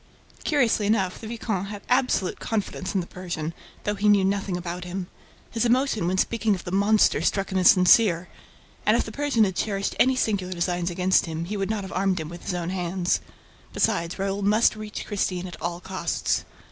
Curiously enough, the viscount had absolute confidence in the Persian, though he knew nothing about him. His emotion when speaking of the "monster" struck him as sincere; and, if the Persian had cherished any sinister designs against him, he would not have armed him with his own hands. Besides, Raoul must reach Christine at all costs.